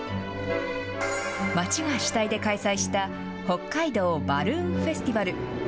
町が主体で開催した、北海道バルーンフェスティバル。